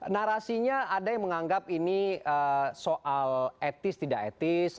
narasinya ada yang menganggap ini soal etis tidak etis